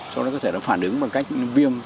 cho nó có thể phản ứng bằng cách viêm